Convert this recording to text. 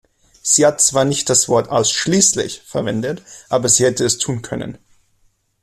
Sie hat zwar nicht das Wort "ausschließlich" verwendet, aber sie hätte es tun können.